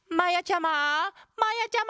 まやちゃま！